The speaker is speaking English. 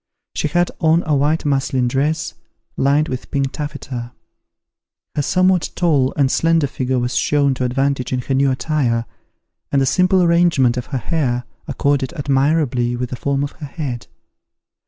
She had on a white muslin dress, lined with pink taffeta. Her somewhat tall and slender figure was shown to advantage in her new attire, and the simple arrangement of her hair accorded admirably with the form of her head.